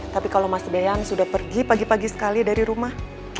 tapi kalau mas beyan sudah pergi pagi pagi sekali dari rumah